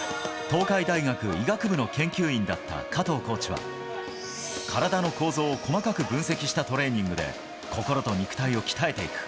東海大学医学部の研究員だった加藤コーチは、体の構造を細かく分析したトレーニングで、心と肉体を鍛えていく。